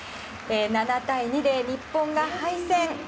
７対２で日本が敗戦。